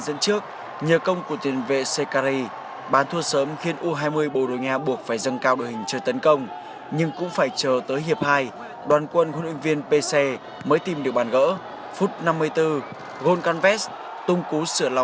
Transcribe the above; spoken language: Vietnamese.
xin chào và hẹn gặp lại trong các video tiếp theo